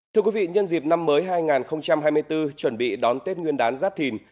thưa quý vị nhân dịp năm mới hai nghìn hai mươi bốn chuẩn bị đón tết nguyên đán giáp thìn